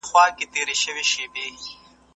نارینه او ښځه یو بل ته ضرورت لري.